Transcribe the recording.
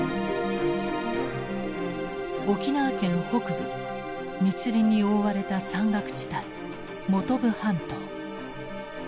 沖縄県北部密林に覆われた山岳地帯本部半島。